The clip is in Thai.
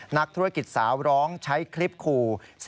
นักธุรกิจสาวร้องใช้คลิปขู่